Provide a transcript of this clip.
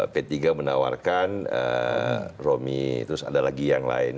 p tiga menawarkan romi terus ada lagi yang lain